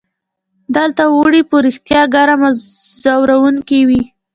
دلته اوړي په رښتیا ګرم او ځوروونکي وي.